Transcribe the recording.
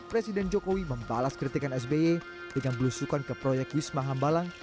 presiden jokowi membalas kritikan sby dengan belusukan ke proyek wisma hambalang